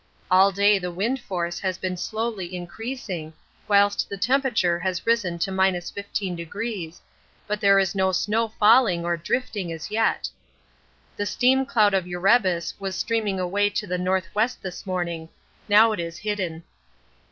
All day the wind force has been slowly increasing, whilst the temperature has risen to 15°, but there is no snow falling or drifting as yet. The steam cloud of Erebus was streaming away to the N.W. this morning; now it is hidden.